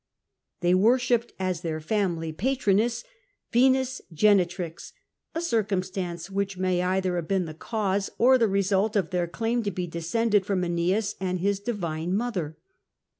They worshipped as their family patroness Venus Genetrix — a circumstance which may either have been the cause or the result of their claim to descend from .< 3 Eneas and his divine mother.